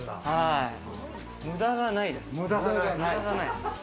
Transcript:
無駄がないです。